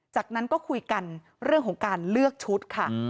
จากนั้นก็คุยกันเรื่องของการเลือกชุดค่ะ